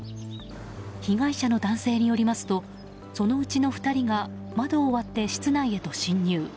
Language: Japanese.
被害者の男性によりますとその内の２人が窓を割って、室内へと侵入。